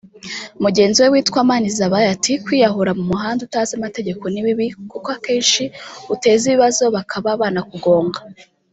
Mugenzi we witwa Manizabayo ati “Kwiyahura mu muhanda utazi amategeko ni bibi kuko akenshi uteza ibibazo bakaba banakugonga